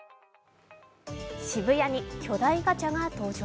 渋谷に巨大ガチャが登場。